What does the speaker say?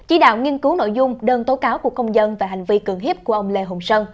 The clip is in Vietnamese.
chỉ đạo nghiên cứu nội dung đơn tố cáo của công dân về hành vi cưỡng hiếp của ông lê hùng sơn